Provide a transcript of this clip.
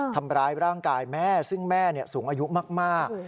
ทำร้ายร่างกายแม่ซึ่งแม่สูงอายุมาก